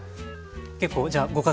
結構じゃあご家族も。